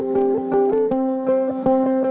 lalu dia nyaman